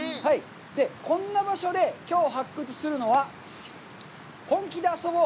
こんな場所できょう発掘するのは、「本気で遊ぼう！